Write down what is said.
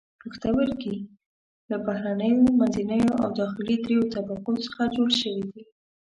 پښتورګي له بهرنیو، منځنیو او داخلي دریو طبقو څخه جوړ شوي دي.